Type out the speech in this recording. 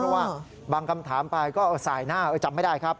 เพราะว่าบางคำถามไปก็สายหน้าจำไม่ได้ครับ